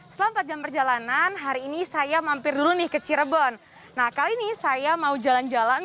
selamat jam perjalanan hari ini saya mampir dulu nih ke cirebon nah kali ini saya mau jalan jalan